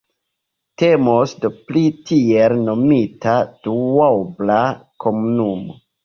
Temas do pri tiel nomita duobla komunumo.